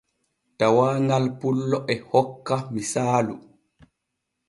Tawaaŋal pullo e hokka misaalu.